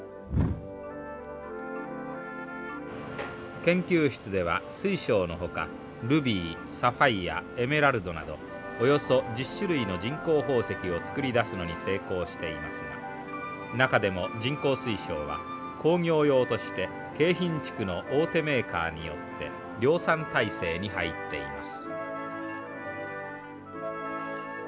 研究室では水晶のほかルビーサファイアエメラルドなどおよそ１０種類の人工宝石を作り出すのに成功していますが中でも人工水晶は工業用として京浜地区の大手メーカーによって量産態勢に入っています。